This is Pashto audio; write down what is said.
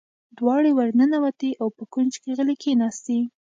دواړې ور ننوتې او په کونج کې غلې کېناستې.